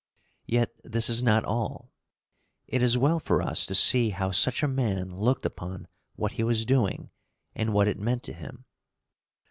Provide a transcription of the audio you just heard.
Yet this is not all. It is well for us to see how such a man looked upon what he was doing, and what it meant to him.